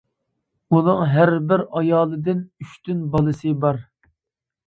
ئۇنىڭ ھەر بىر ئايالىدىن ئۈچتىن بالىسى بار.